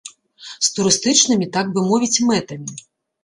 З турыстычнымі, так бы мовіць, мэтамі.